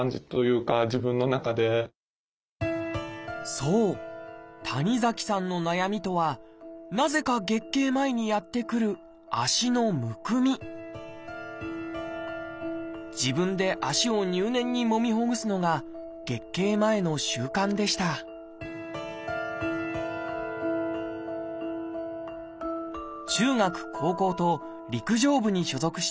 そう谷崎さんの悩みとはなぜか月経前にやってくる自分で足を入念にもみほぐすのが月経前の習慣でした中学高校と陸上部に所属していた谷崎さん。